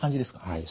はい。